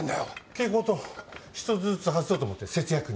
蛍光灯１つずつ外そうと思って節約に。